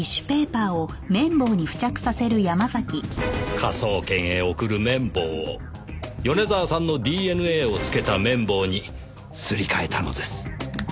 科捜研へ送る綿棒を米沢さんのＤＮＡをつけた綿棒にすり替えたのです。